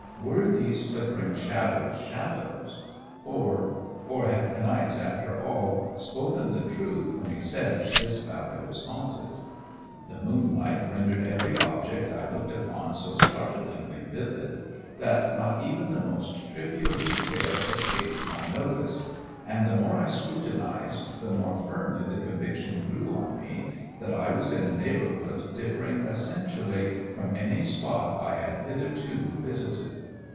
Were these flickering shadows shadows, or or had Kniaz, after all, spoken the truth when he said this valley was haunted? The moonlight rendered every object I looked upon so startlingly vivid, that not even the most trivial detail escaped my notice, and the more I scrutinized the more firmly the conviction grew on me that I was in a neighbourhood differing essentially from any spot I had hitherto visited.